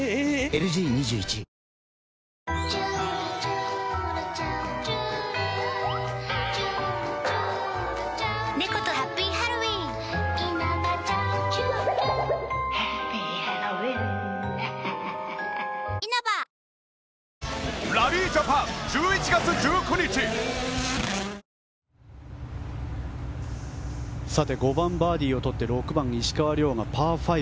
⁉ＬＧ２１５番、バーディーをとって６番、石川遼がパー５。